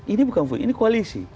ini bukan ini koalisi